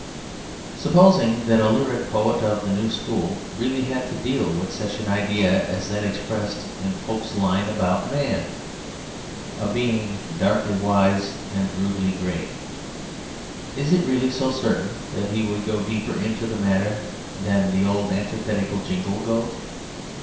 Supposing that a lyric poet of the new school really had to deal with such an idea as that expressed in Pope's line about Man: "A being darkly wise and rudely great," Is it really so certain that he would go deeper into the matter than that old antithetical jingle goes?